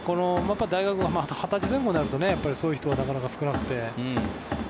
大学２０歳前後になるとそういう人はなかなか少なくて。